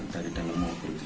dari dalam mobil itu